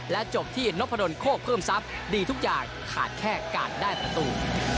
จบที่นพดลโคกเพิ่มทรัพย์ดีทุกอย่างขาดแค่การได้ประตู